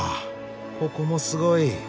ここもすごい。